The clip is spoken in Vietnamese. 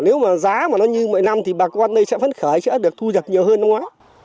nếu mà giá mà nó như mọi năm thì bà con đây sẽ vẫn khởi sẽ được thu dập nhiều hơn không ạ